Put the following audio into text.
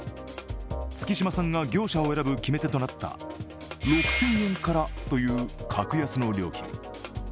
月島さんが業者を選ぶ決め手となった６０００円からという格安の料金。